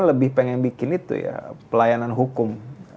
lebih pengen bikin itu ya pelayanan hukum